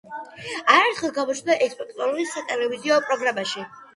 არაერთხელ გამოჩნდა ესპანურენოვან სატელევიზიო პროგრამებში.